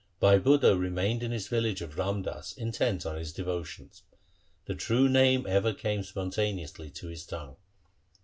Bhai Budha remained in his village of Ramdas intent on his devotions. The True Name ever came spontaneously to his tongue.